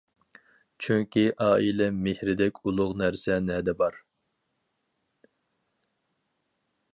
چۈنكى ئائىلە مېھرىدەك ئۇلۇغ نەرسە نەدە بار.